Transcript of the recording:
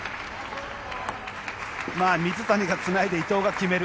水谷がつないで伊藤が決める。